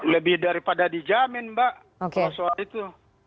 lebih daripada dijamin mbak soal itu